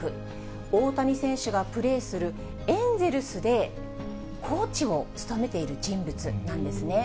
大谷選手がプレーするエンゼルスで、コーチを務めている人物なんですね。